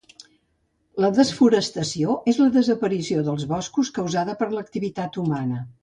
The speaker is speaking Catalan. La desforestació és la desaparició dels boscos causada per l'activitat humana.